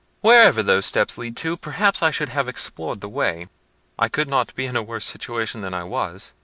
Wherever those steps lead to, perhaps I should have explored the way—I could not be in a worse situation than I was.